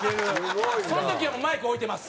その時はもうマイク置いてます。